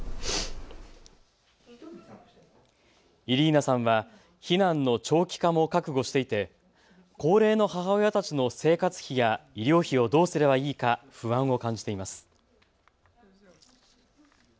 イリーナさんは避難の長期化も覚悟していて高齢の母親たちの生活費や医療費をどうすればいいか不安を感じています。